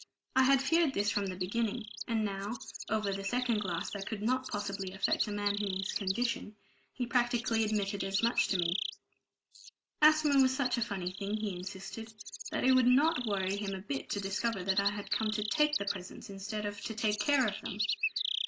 I had feared this from the beginning, and now (over the second glass that could not possibly affect a man in his condition) he practically admitted as much to me. Asthma was such a funny thing (he insisted) that it would not worry him a bit to discover that I had come to take the presents instead of to take care of them!